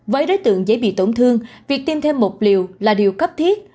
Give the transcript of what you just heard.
với đối tượng dễ bị tổn thương việc tiêm thêm một liều là điều cấp thiết